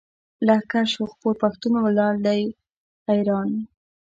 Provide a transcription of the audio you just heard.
لښکر شو خپور پښتون ولاړ دی اریان.